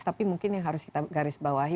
tapi mungkin yang harus kita garisbawahi